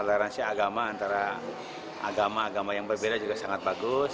toleransi agama antara agama agama yang berbeda juga sangat bagus